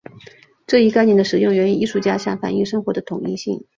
这一概念的使用源于艺术家想反映生活的统一性。